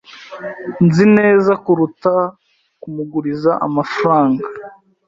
Nzi neza kuruta kumuguriza amafaranga.